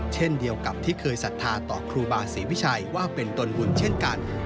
เช่นเดียวกับที่เคยศรัทธาต่อครูบาศรีวิชัยว่าเป็นตนบุญเช่นกัน